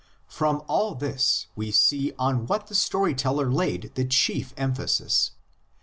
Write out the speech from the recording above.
From all this we see on what the story teller laid the chief emphasis.